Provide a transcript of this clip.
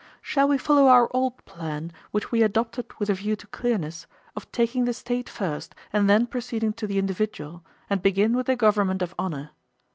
Shall we follow our old plan, which we adopted with a view to clearness, of taking the State first and then proceeding to the individual, and begin with the government of honour?